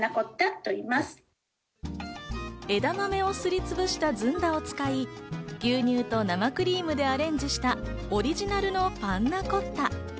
枝豆をすりつぶしたずんだを使い、牛乳と生クリームでアレンジしたオリジナルのパンナコッタ。